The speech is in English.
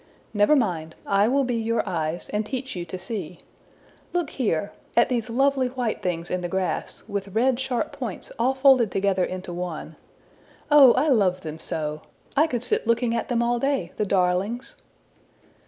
Never mind: I will be your eyes, and teach you to see. Look here at these lovely white things in the grass, with red sharp points all folded together into one. Oh, I love them so! I could sit looking at them all day, the darlings!''